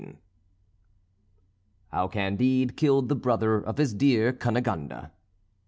XV HOW CANDIDE KILLED THE BROTHER OF HIS DEAR CUNEGONDE.